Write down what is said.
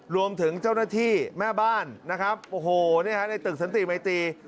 รวมถึงเจ้าหน้าที่แม่บ้านในตึกศนตรีไมโตรี